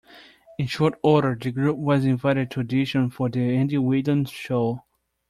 In short order, the group was invited to audition for "The Andy Williams Show".